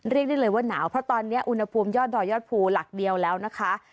เรียกได้เลยว่าหนาวเพราะตอนนี้อุณหภูมิยอดดอยยอดภูหลักเดียวแล้วนะคะ